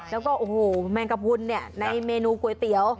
แล้วก็โอ้โหแมงกระพุนเนี่ยในเมนูก๋วยเตี๋ยว